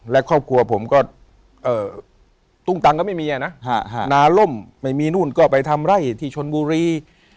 และครอบครัวผมก็ตุ้งตังก็ไม่มีนะนาล่มไม่มีนู่นก็ไปทำไร่ที่ชนบุรี